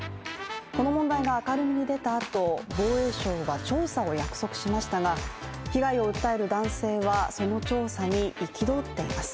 この問題が明るみに出たあと、防衛省は調査を約束しましたが被害を訴える男性はその調査に憤っています。